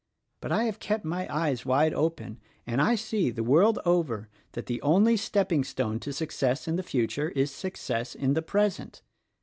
But I have kept my eyes wide open, and I see — the world over — that the only stepping stone to success in the future is success in the present.